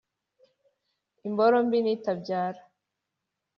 Imboro mbi ni itabyara.